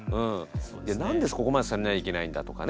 「なんでそこまでされなきゃいけないんだ」とかね。